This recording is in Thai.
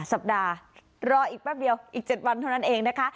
สัปดาห์รออีกแป๊บเดียวอีก๗วันเท่านั้นเองนะคะ